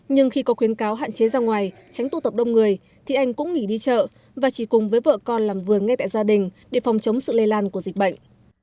nhưng khi có khuyến cáo hạn chế ra ngoài tránh tụ tập đông người thì anh cũng nghỉ đi chợ và chỉ cùng với vợ con làm vườn ngay tại gia đình để phòng chống sự lây lan của dịch bệnh